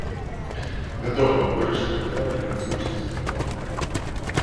Вядома, вырашыць пытанне надзвычай складана.